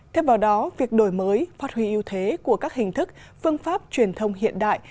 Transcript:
thêm vào đó việc đổi mới phát huy ưu thế của các hình thức phương pháp truyền thông hiện đại